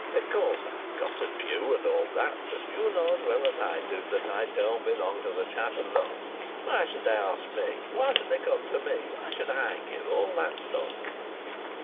Of course I've got a pew and all that; but you know as well as I do that I don't belong to the chapel lot. Why should they ask me? Why should they come to me? Why should I give all that sum?"